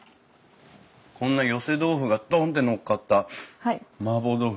こんな寄せ豆腐がドンってのっかった麻婆豆腐